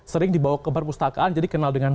sering dibawa ke perpustakaan jadi kenal dengan